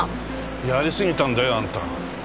やりすぎたんだよあんた。